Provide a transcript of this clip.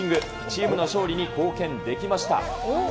チームの勝利に貢献できました。